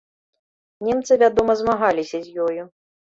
Немцы, вядома, змагаліся з ёю.